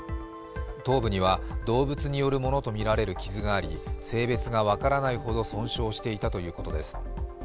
頭部には動物によるものとみられる傷があり性別が分からないほど損傷していたということです。